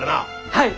はい！